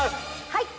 ◆はい！